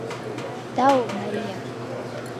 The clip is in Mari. — Тау, Мария.